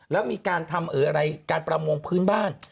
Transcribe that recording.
แล้วมีการทำอะไรการประมงพื้นบ้าน